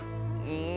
うん。